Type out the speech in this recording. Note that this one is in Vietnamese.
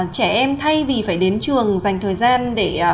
trẻ em thay vì phải đến trường dành thời gian để